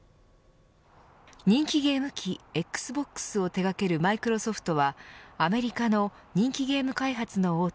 人気ゲーム機Ｘｂｏｘを手掛けるマイクロソフトはアメリカの人気ゲーム開発の大手